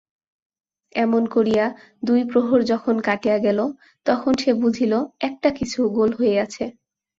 এমন করিয়া দুই প্রহর যখন কাটিয়া গেল তখন সে বুঝিল একটা কিছু গোল হইয়াছে।